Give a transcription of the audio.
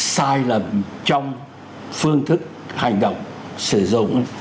sai lầm trong phương thức hành động sử dụng